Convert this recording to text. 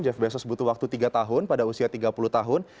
jeff bezos butuh waktu tiga tahun pada usia tiga puluh tahun